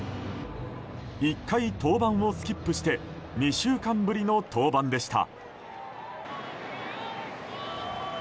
１回登板をスキップして２週間ぶりの登板でした。